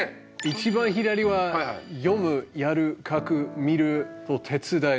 一番左は「読む」「やる」「書く」「見る」「手つだい」。